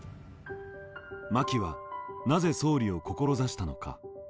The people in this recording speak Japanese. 真木はなぜ総理を志したのか。